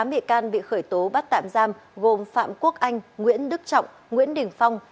tám bị can bị khởi tố bắt tạm giam gồm phạm quốc anh nguyễn đức trọng nguyễn đình phong